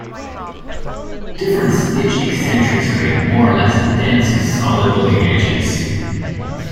Different stitch eccentrics create more or less dense and solid-looking edges.